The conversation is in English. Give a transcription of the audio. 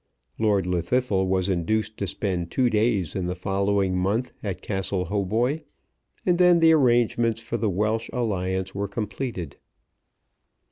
Lord Llwddythlw was induced to spend two days in the following month at Castle Hautboy, and then the arrangements for the Welsh alliance were completed.